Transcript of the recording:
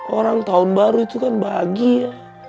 orang tahun baru itu kan bahagia